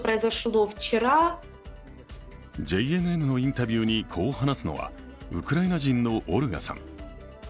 ＪＮＮのインタビューにこう話すのは、ウクライナ人のオルガさん。